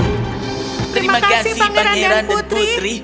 terima kasih pangeran dan putri